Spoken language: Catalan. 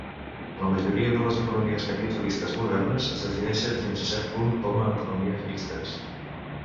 La majoria de les economies capitalistes modernes es defineixen fins a cert punt com a "economies mixtes".